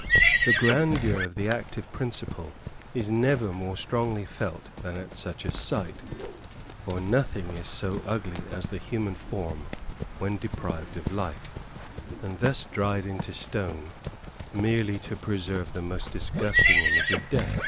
The grandeur of the active principle is never more strongly felt than at such a sight, for nothing is so ugly as the human form when deprived of life, and thus dried into stone, merely to preserve the most disgusting image of death.